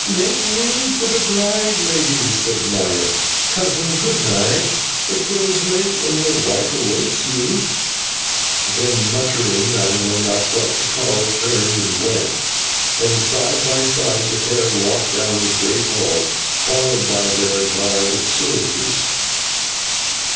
"Make room for the bride, ladies," said Maya. "Cousin, good night, it grows late, and your wife awaits you." Then, muttering I know not what, Tikal turned and went, and side by side the pair walked down the great hall, followed by their guard of soldiers.